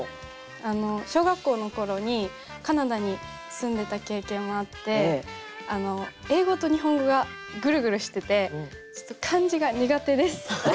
小学校の頃にカナダに住んでた経験もあって英語と日本語がグルグルしててちょっと漢字が苦手です。